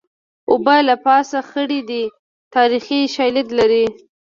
اوبه له پاسه خړې دي تاریخي شالید لري